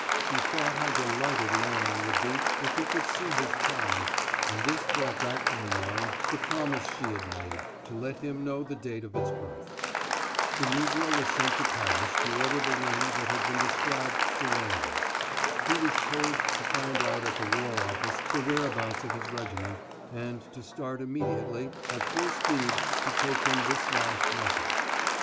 She thought how delighted Léon would be if he could see his child, and this brought back to her mind the promise she had made to let him know the date of its birth. The Negro was sent to Paris to order the ring that had been described to Léon. He was told to find out at the War Office the whereabouts of his regiment, and to start immediately, at full speed, to take him this last message.